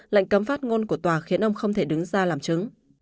lệnh cấm phát ngôn của tòa khiến ông không thể đứng ra làm chứng